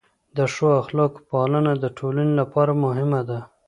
د ښو اخلاقو پالنه د ټولنې لپاره مهمه ده.